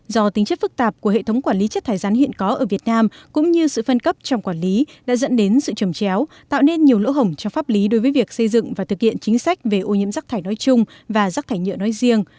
do tính chất phức tạp của hệ thống quản lý chất thải rắn hiện có ở việt nam cũng như sự phân cấp trong quản lý đã dẫn đến sự trầm chéo tạo nên nhiều lỗ hổng cho pháp lý đối với việc xây dựng và thực hiện chính sách về ô nhiễm rác thải nói chung và rắc thải nhựa nói riêng